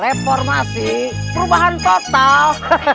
reformasi perubahan total